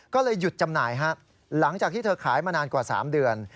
ก็เลยหยุดจำหน่ายหลังจากที่เธอขายมานานกว่า๓เดือน